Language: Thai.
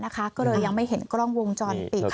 ก็เลยยังไม่เห็นกล้องวงจรปิด